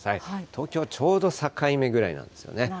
東京はちょうど境目ぐらいなんですよね。